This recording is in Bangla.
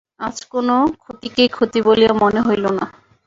আজ কোনো ক্ষতিকেই ক্ষতি বলিয়া মনে হইল না।